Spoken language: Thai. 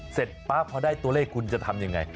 เสร็จปั๊บพอได้ตัวเลขคุณจะทำยังไง